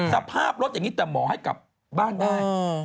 สภาพรถอย่างนี้แต่หมอให้กลับบ้านได้